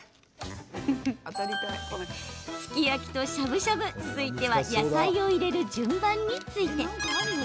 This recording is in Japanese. すき焼きとしゃぶしゃぶ続いては野菜を入れる順番について。